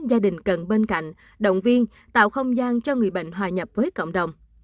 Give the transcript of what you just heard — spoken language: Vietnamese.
gia đình cần bên cạnh động viên tạo không gian cho người bệnh hòa nhập với cộng đồng